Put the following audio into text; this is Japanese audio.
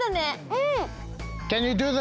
うん！